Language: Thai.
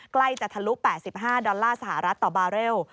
ใกล้จะทะลุ๘๕ดอลลาร์สหรัฐต่อบาร์เรล